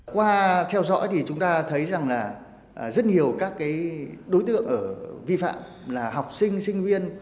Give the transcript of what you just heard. qua theo dõi thì chúng ta thấy rằng là rất nhiều các đối tượng ở vi phạm là học sinh sinh viên